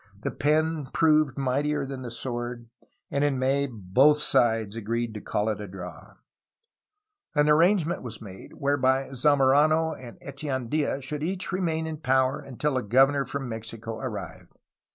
The pen proved mightier than UNDER xMEXICAN GOVERNORS, 1822 1835 463 the sword, and in May both sides agreed to call it a draw. An arrangement was made whereby Zamorano and Eche andia should each remain in power until a governor from Mexico arrived.